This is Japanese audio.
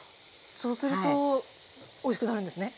そうするとおいしくなるんですね？